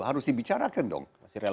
harus dibicarakan dong